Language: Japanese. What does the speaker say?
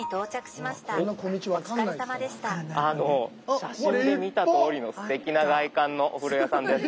写真で見たとおりのすてきな外観のお風呂屋さんです。